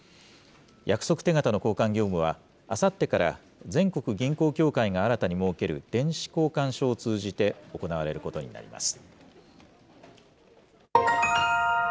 約束手形の交換業務はあさってから全国銀行協会が新たに設ける電子交換所を通じて行われることになります。